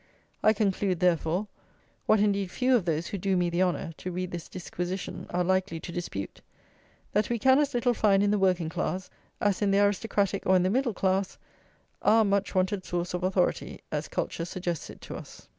I conclude, therefore, what, indeed, few of those who do me the honour to read this disquisition are likely to dispute, that we can as little find in the working class as in the aristocratic or in the middle class our much wanted source of authority, as culture suggests it to us.